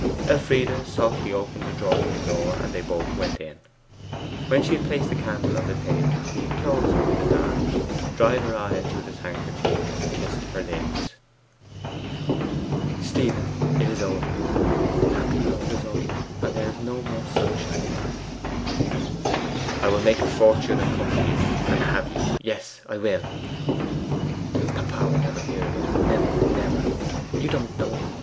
Elfride softly opened the drawing room door and they both went in. When she had placed the candle on the table, he enclosed her with his arms, dried her eyes with his handkerchief, and kissed their lids. 'Stephen, it is over happy love is over; and there is no more sunshine now!' 'I will make a fortune, and come to you, and have you. Yes, I will!' 'Papa will never hear of it never never! You don't know him.